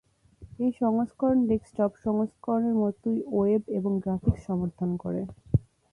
এই সংস্করণ ডেক্সটপ সংস্করণের মতই ওয়েব এবং গ্রাফিক্স সমর্থন করে।